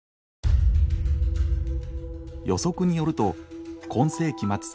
予測によると今世紀末